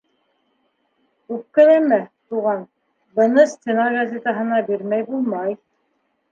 Үпкәләмә, туған, быны стена газетаһына бирмәй булмай.